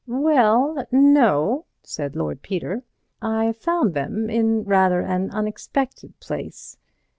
"Well, no," said Lord Peter, "I found them in rather an unexpected place.